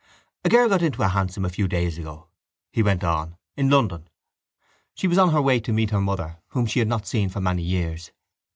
—A girl got into a hansom a few days ago, he went on, in London. She was on her way to meet her mother whom she had not seen for many years.